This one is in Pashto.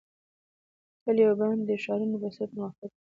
کلي او بانډې د ښارونو په څیر پرمختګ کوي.